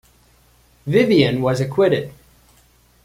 Vivian was acquitted.